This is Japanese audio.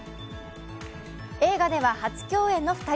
映画では初共演の２人。